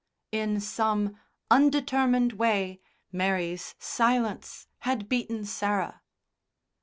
In some undetermined way Mary's silence had beaten Sarah.